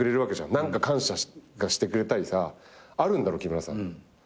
何か感謝してくれたりさあるんだろう木村さん。